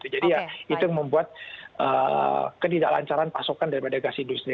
jadi itu yang membuat ketidaklancaran pasokan daripada agas industri